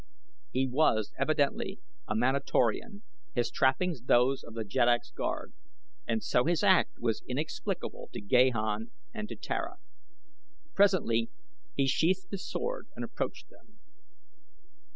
He was evidently a Manatorian, his trappings those of the Jeddak's Guard, and so his act was inexplicable to Gahan and to Tara. Presently he sheathed his sword and approached them.